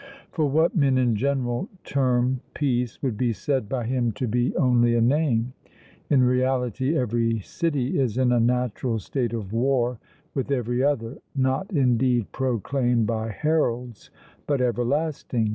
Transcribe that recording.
For what men in general term peace would be said by him to be only a name; in reality every city is in a natural state of war with every other, not indeed proclaimed by heralds, but everlasting.